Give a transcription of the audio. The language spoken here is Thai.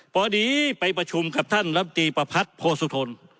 พอดีไปประชุมกับท่านรัฐบิปภัฒน์โภสุธน